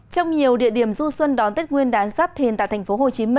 trong nhiều địa điểm du xuân đón tết nguyên đán giáp thìn tại tp hcm